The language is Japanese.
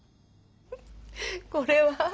これは？